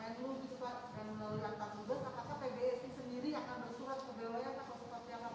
apakah pbst sendiri akan bersurah ke bwf atau keputusan thailand